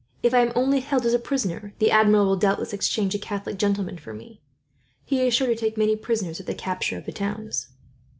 If I am only held as a prisoner, the Admiral will doubtless exchange a Catholic gentleman for me. He is sure to take many prisoners at the capture of the towns."